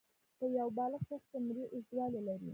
په یو بالغ شخص کې مرۍ اوږدوالی لري.